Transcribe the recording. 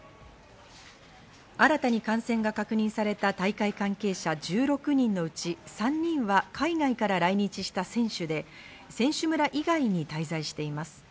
新たに感染が確認された大会関係者１６人のうち、３人は海外から来日した選手で選手村以外に滞在しています。